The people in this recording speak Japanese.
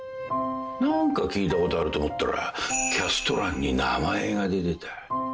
何か聞いたことあると思ったらキャスト欄に名前が出てた。